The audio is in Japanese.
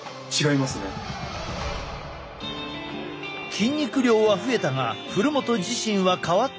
筋肉量は増えたが古元自身は変わったのか？